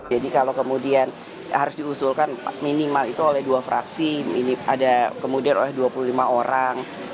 jadi kalau kemudian harus diusulkan minimal itu oleh dua fraksi ada kemudian oleh dua puluh lima orang